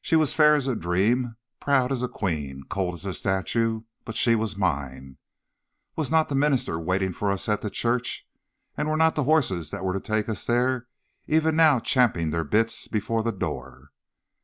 She was fair as a dream, proud as a queen, cold as a statue, but she was mine! Was not the minister waiting for us at the church? and were not the horses that were to take us there even now champing their bits before the door?